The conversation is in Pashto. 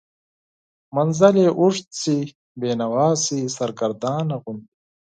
منزل یې اوږد شي، بینوا شي، سرګردانه غوندې